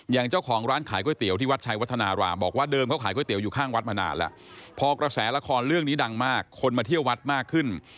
อย่างเจ้าของร้านขายก๋วยเตี๋ยวที่วัดชัยวัฒนารามบอกว่าเดิมเขาขายก๋วเตี๋ยอยู่ข้างวัดมานานแล้วพอกระแสละครเรื่องนี้ดังมากคนมาเที่ยววัดมากขึ้น